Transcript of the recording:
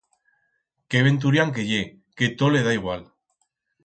Qué veturián que ye que tot le da igual.